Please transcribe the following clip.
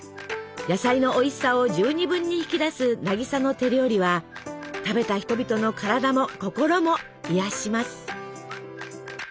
野菜のおいしさを十二分に引き出す渚の手料理は食べた人々の体も心も癒やします。